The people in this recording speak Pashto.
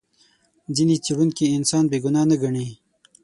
ځینې څېړونکي انسان بې ګناه نه ګڼي.